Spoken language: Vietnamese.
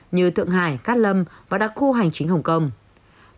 như thượng hải cát lâm và đặc khu hành chính hồng kông